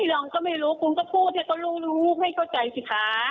ไม่ลองก็ไม่รู้คุณก็พูดให้ตัวลูกไม่เข้าใจสิคะ